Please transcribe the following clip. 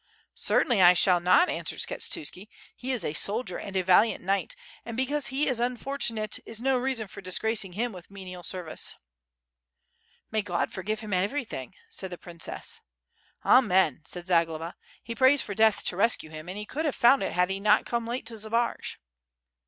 "Certainly I shall not," answered Skshetuski, "he is a sol dier and a valiant knight, and because he is unfortunate is no reason for disgracing him with menial service." "May God forgive him everything," said the princess. "Amen!" said Zagloba. "He prays for death to rescue him, and he could have found it had he not come late to Zbaraj."